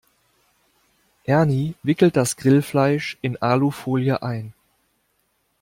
Ernie wickelt das Grillfleisch in Alufolie ein.